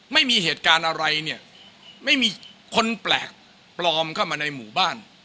ไม่มีเหตุการณ์อะไรเนี่ยไม่มีคนแปลกปลอมเข้ามาในหมู่บ้าน